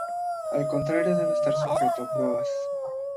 Al contrario debe estar sujeto a pruebas.